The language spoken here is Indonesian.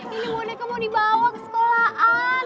ini boneka mau dibawa ke sekolahan